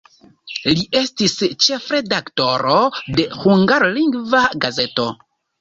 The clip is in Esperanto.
Li estis ĉefredaktoro de hungarlingva gazeto.